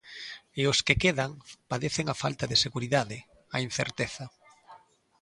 E os que quedan padecen a falta de seguridade, a incerteza.